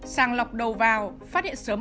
sàng lọc đầu vào phát hiện sớm bệnh